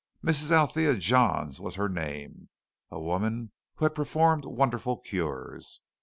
Mrs. Althea Johns was her name a woman who had performed wonderful cures.